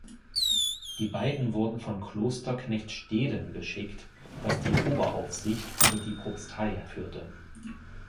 Die beiden wurden von Kloster Knechtsteden geschickt, das die Oberaufsicht über die Propstei führte.